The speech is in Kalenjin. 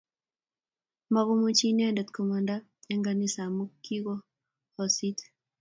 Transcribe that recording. Makomuchi inendet koamnda eng kanisa amu kikoosit